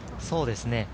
そうですね。